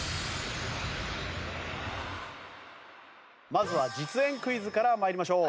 まずは実演クイズから参りましょう。